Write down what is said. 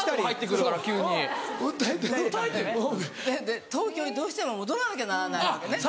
で東京にどうしても戻らなきゃならないわけね。